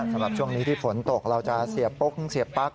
สำหรับช่วงนี้ที่ฝนตกเราจะเสียโป๊กเสียปั๊ก